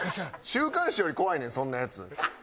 週刊誌より怖いねんそんなヤツ。